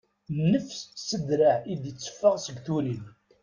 Nnefs s ddraɛ i d-itteffaɣ seg turin.